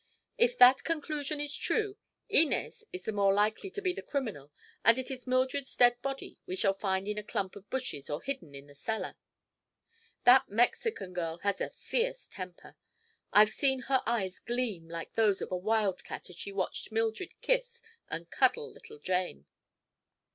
If that conclusion is true, Inez is the more likely to be the criminal and it is Mildred's dead body we shall find in a clump of bushes or hidden in the cellar. That Mexican girl has a fierce temper; I've seen her eyes gleam like those of a wildcat as she watched Mildred kiss and cuddle little Jane.